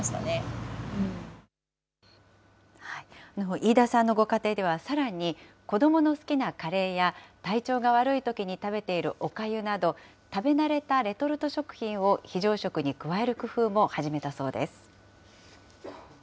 飯田さんのご家庭では、さらに、子どもの好きなカレーや、体調が悪いときに食べているおかゆなど、食べ慣れたレトルト食品を非常食に加える工夫も始めたそうです。